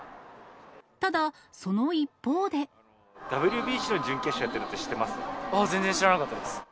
ただ、その一方で。ＷＢＣの準決勝やってることああ、全然知らなかったです。